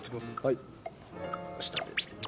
下で。